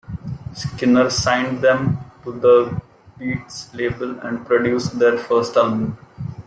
Skinner signed them to The Beats label and produced their first album.